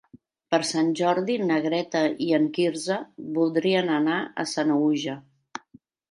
Per Sant Jordi na Greta i en Quirze voldrien anar a Sanaüja.